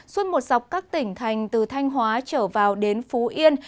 suốt một dọc các tỉnh thành từ thanh hóa trở vào đến phú yên